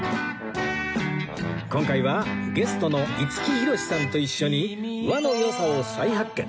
今回はゲストの五木ひろしさんと一緒に和の良さを再発見